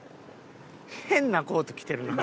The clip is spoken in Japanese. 変なコート着てるな。